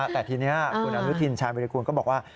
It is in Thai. แต่ทีนี้คุณอาทิตย์ชาวมีรกูลก็บอกว่า